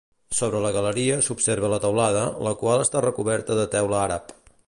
Sobre la galeria s'observa la teulada, la qual està recoberta de teula àrab.